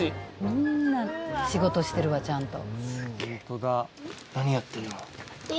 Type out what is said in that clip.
みんな仕事してるわちゃんと。